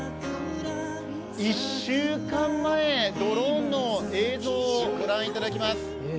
１週間前、ドローンの映像をご覧いただきます。